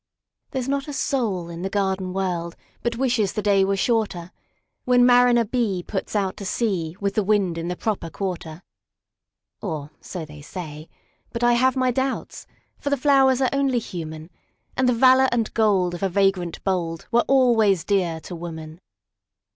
There 's not a soul in the garden worldBut wishes the day were shorter, When Mariner B. puts out to seaWith the wind in the proper quarter. Or, so they say! But I have my doubts; For the flowers are only human, And the valor and gold of a vagrant boldWere always dear to woman.